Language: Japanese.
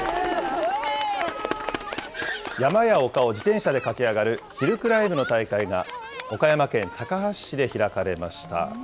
山や丘を自転車で駆け上がるヒルクライムの大会が岡山県高梁市で開かれました。